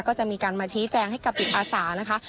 ก็จะมีการมาชี้แจงให้กับจิตอาสานะคะ